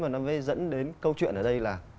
nó mới dẫn đến câu chuyện ở đây là